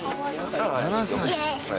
「７歳！」